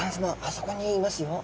そこにいますよ。